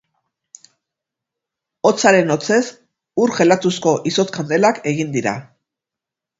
Hotzaren hotzez ur jelatuzko izotz kandelak egin dira.